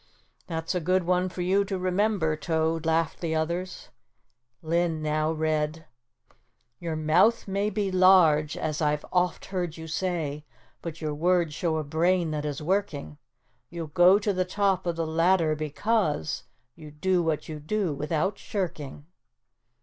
"That's a good one for you to remember, Toad," laughed the others. Linn now read: "Your mouth may be large, as I've oft heard you say, But your words show a brain that is working; You'll go to the top of the ladder because, You do what you do without shirking."